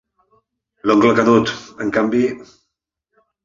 L'oncle Canut, en canvi...